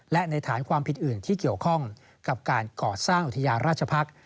และในฐานความผิดอื่นที่เกี่ยวข้องกับการก่อสร้างอุทยาราชพักษ์